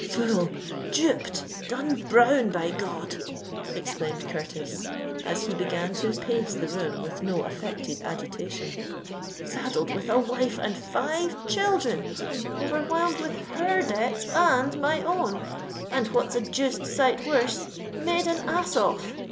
"Fooled—duped—done brown, by God!" exclaimed Curtis, as he began to pace the room with no affected agitation. "Saddled with a wife and five children—overwhelmed with her debts and my own—and, what's a deuced sight worse, made an ass of!